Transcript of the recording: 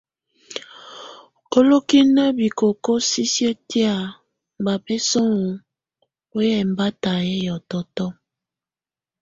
Olokinə bikoko sisiə tɛ ba bɛsɔnŋɔ wə ɛmbata yɛ hiɔtɔtɔ.